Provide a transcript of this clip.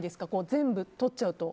全部取っちゃうと。